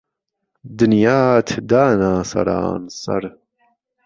دنیات دانا سهرانسهر